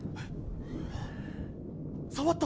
触った。